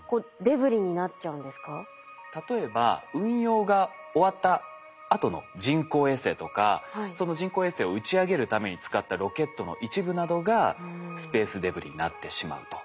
例えば運用が終わったあとの人工衛星とかその人工衛星を打ち上げるために使ったロケットの一部などがスペースデブリになってしまうと。